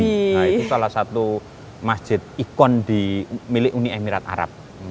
nah itu salah satu masjid ikon milik uni emirat arab